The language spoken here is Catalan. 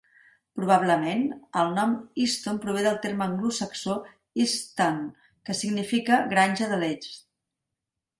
Probablement, el nom Easton prové del terme anglosaxó "East Tun", que significa "granja de l'est".